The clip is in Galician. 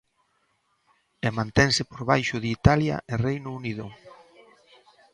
E mantense por baixo de Italia e Reino Unido.